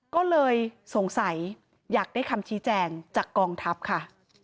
ก็เลยสงสัยอยากได้คำชี้แจงจากกองทัพค่ะ